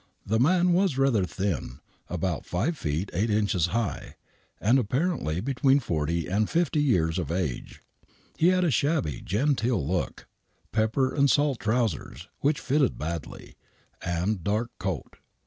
The man was rather thin, about 5 feet 8 inches high and apparently between forty and fifty years of age. He had a shabby genteel look, pepper and salt trowsers, which fitted badly,, and dark coat.